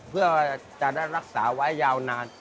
เพื่อจะได้รักษาไว้ยาวนาน